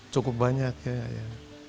cukup banyak ya